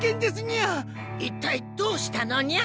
一体どうしたのニャ？